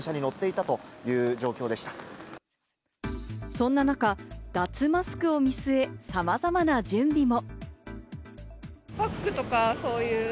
そんな中、脱マスクを見据え、さまざまな準備も。